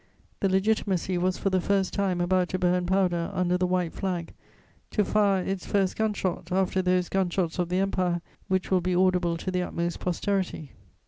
The Legitimacy was for the first time about to burn powder under the White Flag, to fire its first gun shot after those gun shots of the Empire which will be audible to the utmost posterity.